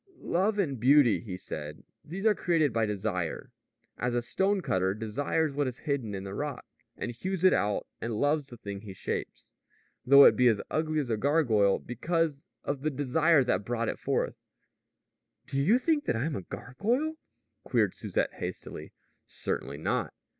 "Love and beauty," he said, "these are created by desire. As a stone cutter desires what is hidden in the rock, and hews it out and loves the thing he shapes, though it be as ugly as a gargoyle, because of the desire that brought it forth " "Do you think that I'm a gargoyle?" queried Susette hastily. "Certainly not."